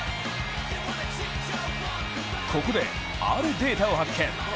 ここで、あるデータを発見。